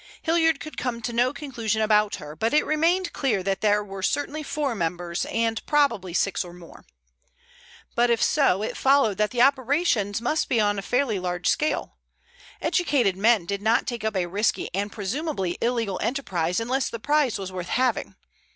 Hilliard could come to no conclusion about her, but it remained clear that there were certainly four members, and probably six or more. But if so, it followed that the operations must be on a fairly large scale. Educated men did not take up a risky and presumably illegal enterprise unless the prize was worth having.